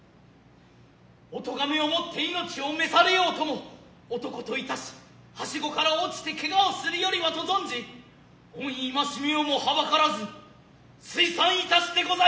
お咎めを以つて生命をめされうとも男といたし階子から落ちて怪我をするよりはと存じ御戒をも憚らず推参いたしてございます。